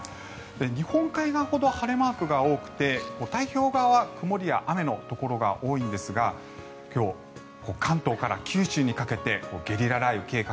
日本海側ほど晴れマークが多くて太平洋側は曇りや雨のところが多いんですが今日、関東から九州にかけてゲリラ雷雨に警戒。